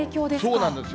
そうなんですよ。